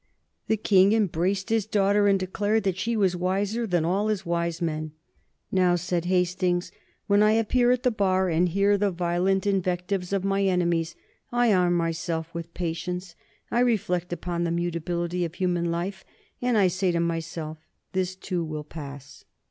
The King embraced his daughter and declared that she was wiser than all his wise men. "Now," said Hastings, "when I appear at the Bar and hear the violent invectives of my enemies, I arm myself with patience. I reflect upon the mutability of human life, and I say to myself, 'This, too, will pass.'"